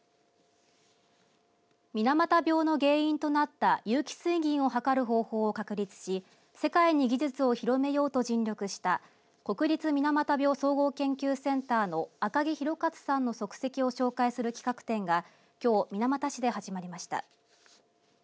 水俣病の原因となった有機水銀をはかる方法を確立し世界に技術を広めようと尽力した国立水俣病総合研究センターの赤木洋勝さんの足跡を紹介する企画展がきょう水俣市で始まりました。